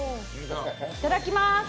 いただきまーす。